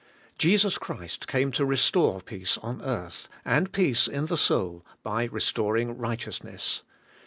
Jesus Christ came to restore peace on earth, and peace in the soul, by restoring righteousness.